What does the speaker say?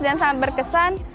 dan sangat berkesan